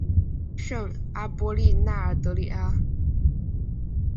圣阿波利奈尔德里阿。